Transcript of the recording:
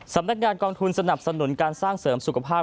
สำนักงานกองทุนสนับสนุนการสร้างเสริมสุขภาพ